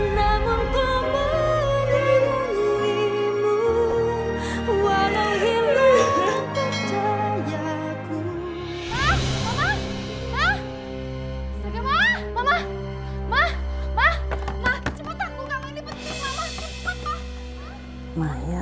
sampai jumpa di video selanjutnya